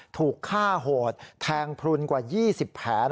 ถูกฆ่าโหดแทงพลุนกว่า๒๐แผล